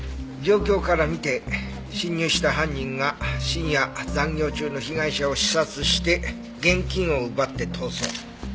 状況から見て侵入した犯人が深夜残業中の被害者を刺殺して現金を奪って逃走。